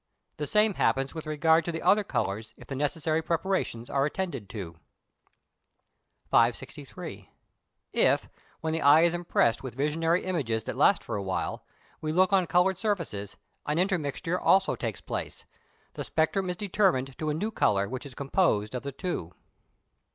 The same happens with regard to the other colours if the necessary preparations are attended to. 563. If, when the eye is impressed with visionary images that last for a while, we look on coloured surfaces, an intermixture also takes place; the spectrum is determined to a new colour which is composed of the two.